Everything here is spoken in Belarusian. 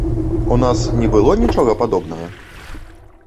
У нас не было нічога падобнага?